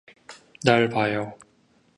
날 봐요.